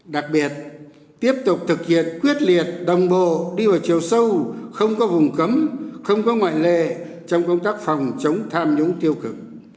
đặc biệt tiếp tục thực hiện quyết liệt đồng bộ đi vào chiều sâu không có vùng cấm không có ngoại lệ trong công tác phòng chống tham nhũng tiêu cực